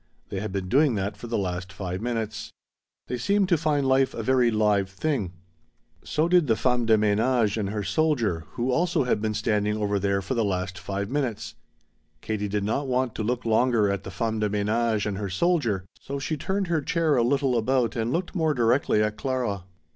They had been doing that for the last five minutes. They seemed to find life a very live thing. So did the femme de menage and her soldier, who also had been standing over there for the last five minutes. Katie did not want to look longer at the femme de menage and her soldier, so she turned her chair a little about and looked more directly at Clara.